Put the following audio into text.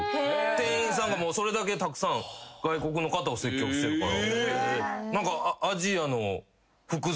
店員さんがそれだけたくさん外国の方を接客してるから。